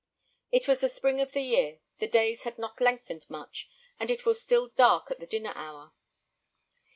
It was the spring of the year; the days had not lengthened much, and it was still dark at the dinner hour.